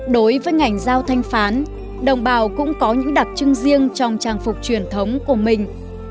đối với ngành giao thanh phán đồng bào cũng có những đặc trưng riêng trong trang phục truyền thống của mình